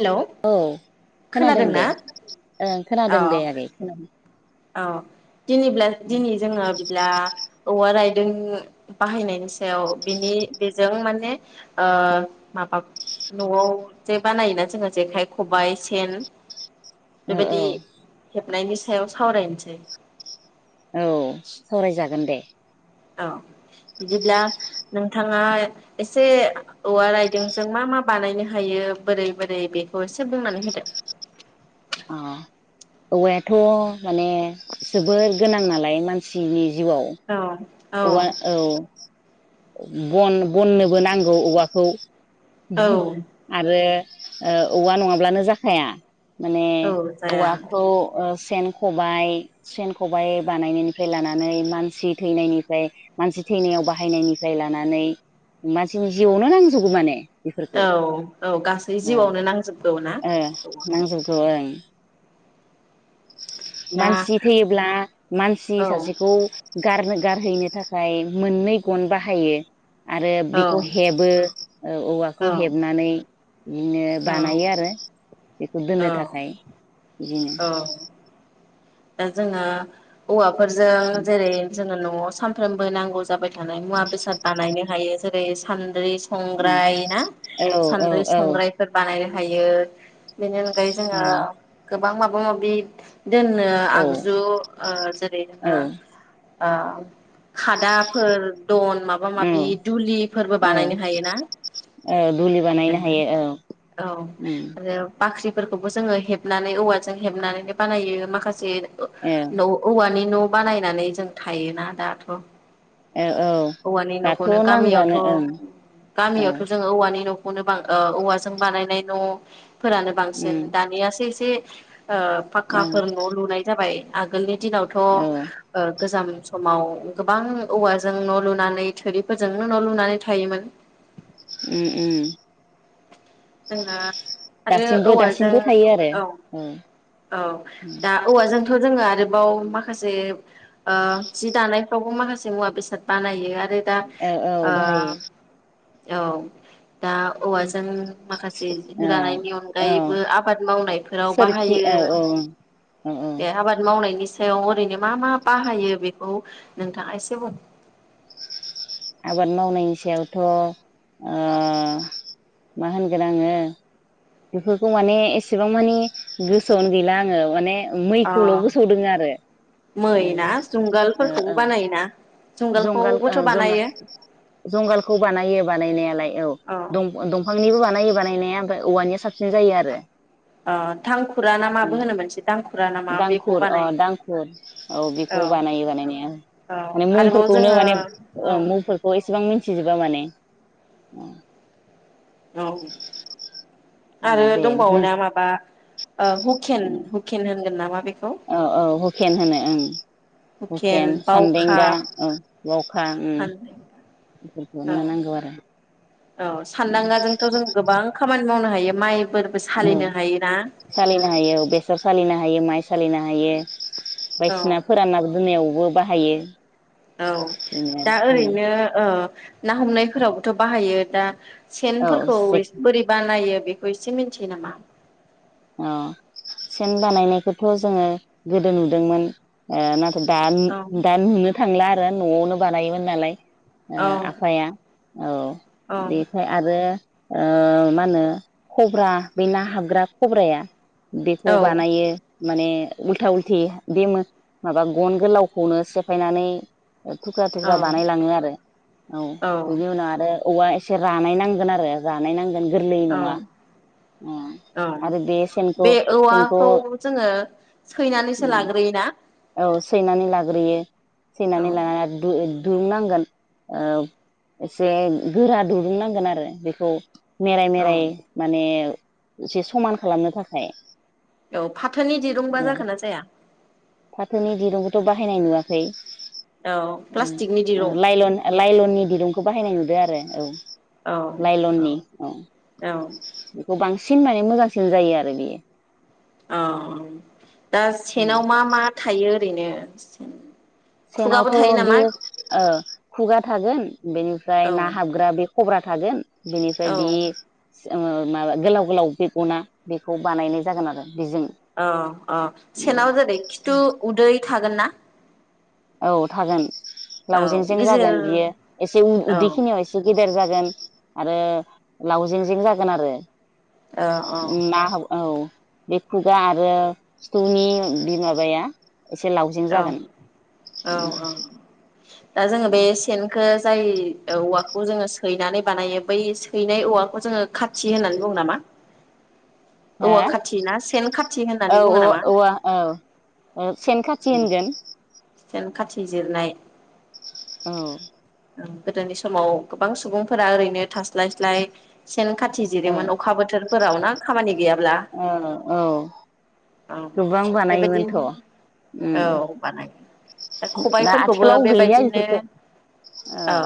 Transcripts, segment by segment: Hello औ खोनादों खोनादोंना दे, ओं औ खोनादों दे आगै, खोनादों। औ दिनै दिनै जोङो बिब्ला औवा रायदों बाहायनायनि सायाव बिनि बेजों माने ओ माबा न'आव जे बानायोना जोङो जेखाइ खबाइ सेन ओ औ। नायनि सायाव सावरायनोसै। औ सावरायजागोन दे। औ बिदिब्ला नोंथाङा एसे औवा रायदोंजों मा मा बानायनो हायो बोरै बोरै बेखौ एसे बुंनानै होदो। अ औवायाथ' माने जोबोर गोनां नालाय मानसिनि जिउआव औ। औवा औ। बन बननोबो नांगौ औवाखौ। औ भु आरो औवा नङाब्लानो जाखाया। माने औ जाया औवाखौ ओ सेन खबाइ सेन खबाइ बानायनायनिफ्राय लानानै मानसि थैनायनिफ्राय मानसि थैनायाव बाहायनायनि जाय लानानै मानसिनि जिआवनो नांजोबो माने। औ बेफोरखौ औ गासै ओ जिउआवनो नांजोबगौ ना ओ औवाखौ नांजोबगौ ओं। ना मानसि थैयोब्ला मानसि औ सासेखौ गारनो गारहैनो थाखाय मोननै गन बाहायो। आरो बिखौ हेबो औ औवाखौ हेबनानै बिदिनो बानायो औ आरो। बेखौ दोननो औ थाखाय। बिदिनो। औ दा जोङो औवा फोरजों जेरै जोङो न'आव सानफ्रोमबो नांगौ जाबाय थानाय मुवा बेसाद बानायनो हायो जेरै सान्द्रि संग्राय ना औ औ सान्द्रै औ संग्रायफोर बानाय हायो बेनो ओमफ्राय औ जोङो बां माबा माबि दोन नो आगजु जेरै जोङो औ बा खादाफोर दन माबा माबि दुलिफोरबो औ बानायनो हायोना औ दुलि बानायनो जोंनो हायो औ औ उम आरो बाख्रिफोरखौबो जोङो हेबनानै औवाजों हेबनानैनो बानायो माखा से औ न औवानि न' बानायनानै जों थायोना दाथ' औ औ औवानि दाथ' न'खौनो गामियावथ' नांगोआनो ओं औ गामियावथ' जोङो औवानि न' बां औवाजों बानायनाय न' फोरानो बांसिन उम दानियासो एसे [unintelligible] ओ औ फाक्काफोर जाबाय आगोलनि औ दिनावथ गोजाम समाव गोबां औवाजों न लुनानै थिफोरजोंनो न लुनानै थायोमोन उम उम [unintelligible] आरो दासिमबो औवाजों दासिमबो थायो आरो औ औ दा औवाजों थ' जोंङो आरोबाव माखासे जि दानायफ्रावबो माखासे मुवा बेसाद बानायो आरो दा औ औ ओ बाहायो औ दा औवा जों माखासे औ जानायनि औ अनगायैबो आबाद मावनायफोराव सोरखि बाहायो औ औ औ औ दे आबाद मावनायनि सायाव ओरैनो मा मा बाहायो बेखौ नोंथाङा एसे बुं आबाद मावनायनि सायावथ मा होनगोन आंङो बेफोरखौ माने एसेबां मानि गोसोआवनो गैला आंङो माने अ मैखौल गोसो आव दों आरो मै ना जुंगालफोरखौबो बानायोना जंगाल जुंगालखौबोथ' बानायो ज जंगालखौ बानायो बानायनायालाय औ दंफांनिबो बानायो बानाय बानायनाया ओम औवानिया साबसिन जायो आरो अ मा [unintelligible] बेखौ दांखुर अ बानायो दांखुर औ बेखौ बानायो बानायनाय औ माने आरोबाव मुंफोरखौनो जोङो माने औ मुंफोरखौ एसेबां मिथिजोबा माने औ औ औ आरो दे दंबावो ना माबा ओ हुकेन हुकेन होनगोन नामा बेखौ औ औ हुकेन होनो हुकेन होनो औ सान्देंगा औ बावखा सान औ बेफोरखौनो नांगौ आरो औ सानदांगाजोंथ जों गोबां खामानि खामानि मावनो हायो माइफोरबो औ सालिनो हायोना सालिनो हायो औ बेसर सालिनो हायो माइ सालिनो हायो। औ बायदिसिना फोराना दोनायावबो बाहायो औ बेनो आरो दा उम ओरैनो ओ ना हमनायफोरावबोथ बाहायो दा औ सेनफोरखौ जे एसे बोरै बानायो। बेखौ एसे मिथियो नामा अ सेन बानायनायखौथ जोंङो गोदो नुदोंमोन ओ ना दा औ दा नुनो थांला आरो नआवनो बानायोमोन नालाय ओ औ आफाया औ औ बेफाय आरो ओ मा होनो खब्रा बै ना हाबग्रा खब्राया औ बेखौ बानायो। माने उल्था उल्थि बे मो माबा गन गोलावखौनो सेफायनानै थुख्रा थुख्रा बानायलांङो आरो औ बेनि उनाव आरो औवा एसे रानाय नांगोन आरो जानाय नांगोन। गोरलै औ नंङा औ उम बे औवाखौ जोंङो सैनानैसो लाग्रोयोना? औ सैनानै लाग्रोयो। औ सैनानै लानानै आरो दु दुरुंनांगोन ओ एसे गोरा दुरुंनांगोन आरो बेखौ मेराइ औ मेराय माने एसे समान खालामनो थाखाय। औ फाथोनि दिरुंबा जागोन ना जाया? फाथोनि दिरुंखौथ' बाहायनाय नुवाखै। औ ओ प्लास्टिकनि ओ दिरुं लाइलन लाइलननि दिरुंखौ बाहायनाय नु यो आरो औ औ लाइलननि औ औ बेखौ बां सिन माने मोजांसिन जायो आरो बियो। औ दा सेनाव मा मा थायो ओरैनो खुगाबो सेनावथ' थायो बे नामा ओ खुगा थागोन बेनिफ्राय औ ना हाबग्रा बे खब्रा थागोन बिनिफ्राय बि औ सोङो माबा गोलाव गोलाव बेगना बेखौ बानायनाय जागोन आरो। बेजों औ औ सेनाव जेरै खिथु उदै थागोन ना? औ थागोन लावजें औ जें गेजेर जागोन बियो औ एसे औ उदैखिनियाव एसे गे गेदेर जागोन आरो लावजें जें जागोन आरो। ना हौ औ बे खुगा आरो खिथौनि बि माबाया एसे लावजें औ जागोन। औ औ। दा जोङो बे सेनखो जाय औवाखौ जोङो सैनानै बानायो बै सैनाय औवाखौ जोंङो खाथि होननानै बुङो नामा। हो औवा खाथि ना सेन खाथि होननानै बुङो नामा औ औ औ औ सेनखा थि होनगोन। सेन खाथिजिरनाय औ। गोदोनि समाव गोबां सुबुंफोरा ओरैनो थास्लाय स्लाय सेन खाथि औ जिरोमोन अखा बोथोरफोराव ना खामानि गैयाब्ला औ औ औ गोबां बानायोमोनथ' बेबायदिनो औ उम बानायो दा खबायफोरखौबो आथिखालाव गैलिया बेबायदिनो बेफोरखौ औ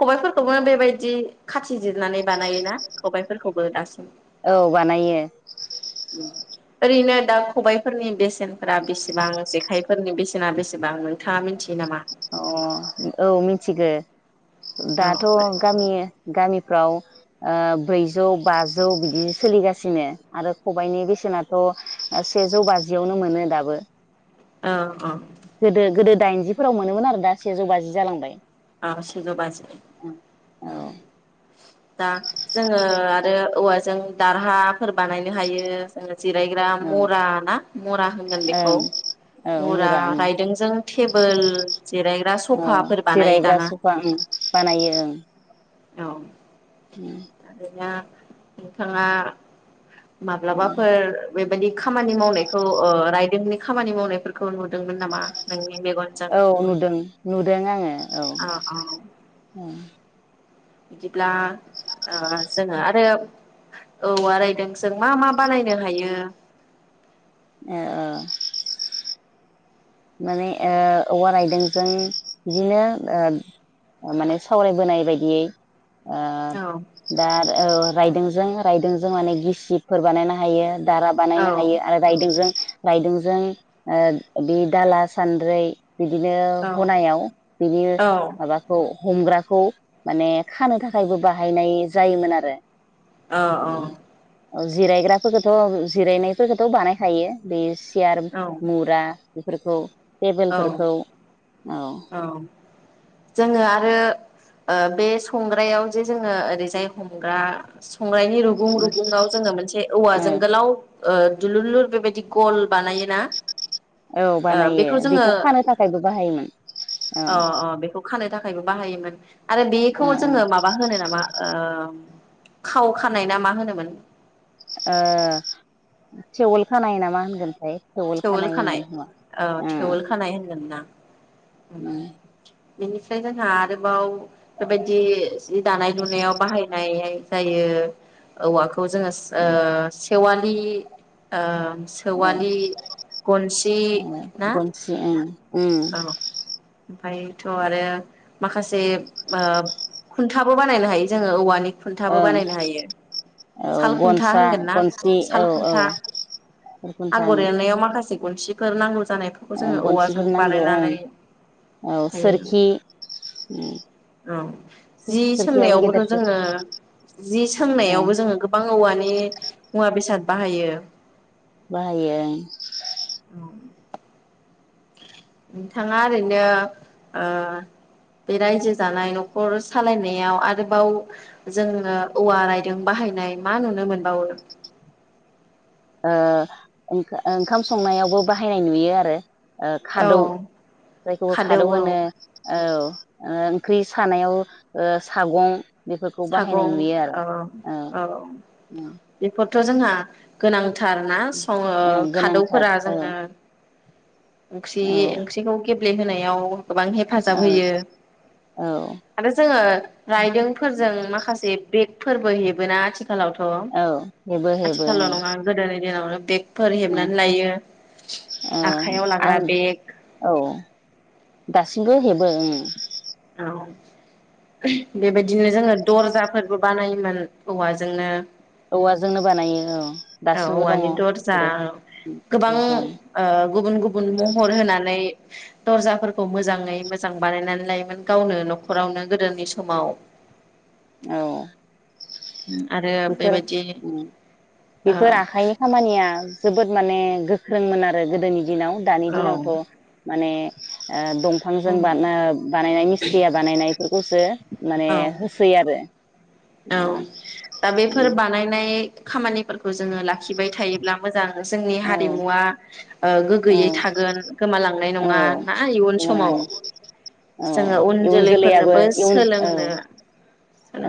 खबायफोरखौबो बेबायदि खाथि जिरनानै बानायोना खबायफोरखौबो दासिम। औ बानायो। ओरैनो दा खबाइफोरनि बेसेनफोरा बेसे? बेसेबां जेखाइफोरनि बेसेना बेसेबां नोंथाङा मिथियो नामा? अ औ मिथिगो। औ दाथ' ओरैनो गामि गामिफ्राव ओ ब्रैजौ बाजौ बिदि सोलिगासिनो आरो खबाइनि बेसेनाथ' सेजौ बाजियावनो मोनो दाबो। अ अ। दाइनजिफो फोराव मोनोमोन आरो दा सेजौ बाजि जालांबाय। आ सेजौ बाजि औ ओं आ दा जोङो आरो औवाजों दारहाफोर बानायनो हायो जो जिरायग्रा मुरा ना मुरा होनगोन बेखौ ओं औ मुरा ओं रायदोंजों थेबोल जिरायग्रा सफाफोर बानाय ग्रा सुफां बानायो ओं। औ। [unintelligible] नोंथाङा ओं माब्लाबाफोर बेबायदि खामानि मावनायखौ ओ रायदोंनि खामानि मावनायफोरखौ नुदोंमोन नामा नोंनि मेगनजों औ नुदों नुदों आङो। औ औ औ बिदिब्ला जोङो आरो औ आरायदों जों मा मा बानायनो हायो ए ओ माने ओ औवा रायदोंजों बिदिनो माने सावरायबोनाय बायदियै औ ओ दा औ रायदोंजों रायदोंजों माने गिसिबफोर बानायनो हायो। जारा बानायनो औ हायो आरो रायदोंजों रायदोंजों बे दाला सान्द्रै बिदिनो हनायाव बिनि औ माबाखौ हमग्राखौ माने खानो थाखायबो बाहायनाय जायोमोन आरो। ओ औ जिरायग्राफोरखौथ' जिरायनायफोरखौथ' बानायखायो बे केयार मुरा बेफोरखौ औ टेबोलफोरखौ औ जोङो आरो ओ बे संग्रायाव जे जोङो ओरैजाय हमग्रा संनायनि रुगुं रुगुंआव जोङो मोनसे औ औवाजों गोलाव ओ दुलुरलुर बेबायदि गल बानायोना औ ओ बानायो बेखौ जोङो खानो थाखायबो बाहायोमोन औ अ अ बेखौ खानो थाखायबो बाहायोमोन। आरो बेखौ ओ जोङो ओ माबा होनो नामा? खाव खानाय ना मा होनोमोन? ओ थेवल खानाय नामा होनगोनथाय? थेवोल खानाय औ ओं थेवोल खानाय होनगोन ना? उम बेनिफ्राय जोंहा आरोबाव बेबायदि जि दानाय लुनायाव बाहायनाय जायो औवाख खौ जोङो ओ ओं खेवालि ओ - ओं सेवालि गनसि औ ना गनसि ओं ओं औ ओमफ्रायथ' आरो माखासे ओब खुन्थाबो बानायनो हायो जोङो औवानि खुन्थाबो ओं बानायनो हायो औ साल खुन्था गनसा होनगोन ना बेखौ गनसि साल औ औ खुन्था खुन्था आगर एरनायाव हासिब गनसिफोर नांगौ जानायफोरखौ ओं जोङो औवाजों गनसिफोर नांगौ ओं बानायनानै औ हायो सोरखि औ जि सोरखियाबो सोंनायावबोथ' गेदेरसो जोङो जि ओं सोंनायावबो जोङो गोबां औवानि मुवा बेसाद बाहायो। बाहायो ओं। औ नोंथाङा ओरैनो ओ बे रायजो जानाय न'खर सालायनायाव आरोबाव जोङो औवा रायदों बाहायनाय मा नुनो मोनबावो? ओ ओं-ओंखाम संनायावबो बाहायनाय नुयो आरो। ओ औ खादौ जायखौ खादौ होनो औ। ओ ओंख्रि सानायाव ओ सागं बेफोरखौ बाहायनाय नुयो आरो औ उम। थ' जोंहा गोनां थार ना सङो ओं ओ गोनांथार खादौफोरा औ जोङो ओंख्रि औ ओंख्रिखौ गेब ब्ले होनायाव गोबां हेफाजाब औ होयो औ आरो जोङो रायदोंफोरजों माखासे बेग फोरबो हेबोना आथिख खालावथ' औ हेबो हेबो आथिखालाव नङा गोदोनि दिनावनो [unintelligible] फोर औ हेबनानै लायो। औ आखाइयाव लाग्रा आं बेग औ दासिमबो हेबो ओं। औ बेबायदिनो जोङो दर्जाफोरबो बानायो। मोन औवाजोंनो औवाजोंनो बानायो औ औ दासिमबो दङ औवानि दरजा बेफोरो गोबां मोजां ओ गुबुन गुबुन महर होनानै [unintelligible] दर्जाफोरखौ मोजाङै मोजां बानायनानै लाइमोन गावनो न'खरावनो गोदोनि समाव औ आरो बेफोर बेबायदि ओम ओ बेफोर आखाइनि खामानिया जोबोद माने गोख्रोंमोन आरो गोदोनि दिनाव दानि औ दिनावथ' माने ओ दंफांजों उम बा ओ बानायनाय मिस्रिया बानायनाय बेफोरखौसो माने औ होसोै आरो। औ दा बेफोर बानायनाय खामानि जोङो लाखिबाय थायोब्ला मोजां जोंनि हारिमुआ औ गोग्गोयै थागोन गोमालांनाय औ नङा ना इयुन समाव बुंलाङो औ जोङो उन इयुन जोलैयाबो जोलैफोरनोबो इयुन औ सोलोंनो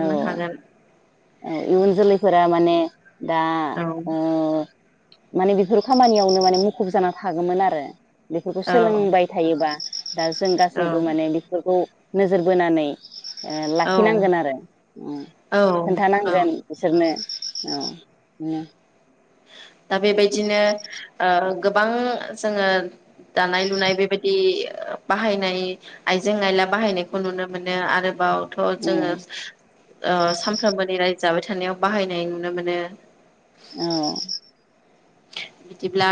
औ हागोन औ इयुन जोलैफोरा माने दा औ ओ माने बेफोर खामानियावनो माने मुखुब जाना थागौमोन आरो। बेफोरखौ औ सोलोंबाय थायोबा। दा जों औ गासैबो माने बेफोरखौ नोजोर बोनानै ओ औ लाखिनांगोन आरो ओम औ औ खोन्थानांगोन बिसोरनो औ दा बेबायदिनो ओ गोबां जोङो दानाय लुनाय बेबायदि बाहायनाय आइजें आयला बाहायनायखौ नुनो मोनो आरो बावथ' उम जोङो सानफ्रोमबोनि रायजो जाबाय थानायाव बाहायनाय नुनो मोनो। औ बिदिब्ला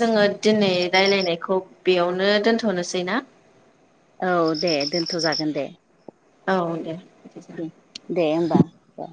जोङो दिनै राय्लायनायखौ बेयावनो दोनथ'नोसै ना? औ दे दोनथ' जागोन दे। औ दे बिदिब्ला। दे होमबा द।